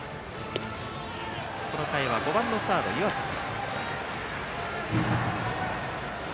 この回は５番のサード湯浅から。